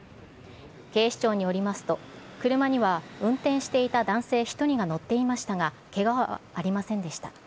警視庁によりますと、車には運転していた男性１人が乗っていましたが、けがはありませんでした。